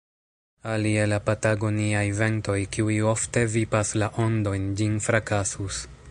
Alie la patagoniaj ventoj, kiuj ofte vipas la ondojn, ĝin frakasus.